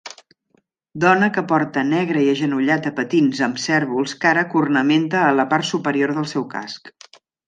Dona que porta negre i agenollat a patins amb cérvols cara cornamenta a la part superior del seu casc.